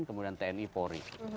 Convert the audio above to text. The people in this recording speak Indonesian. kemudian tni polri